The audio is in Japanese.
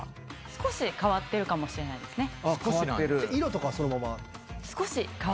少し変わってるかもしれないですね。